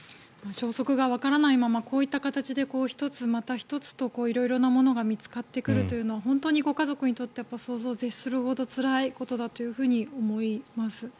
消息がわからないままこういった形で、１つまた１つと色々なものが見つかってくるというのはご家族にとって想像を絶するほどつらいことだと思います。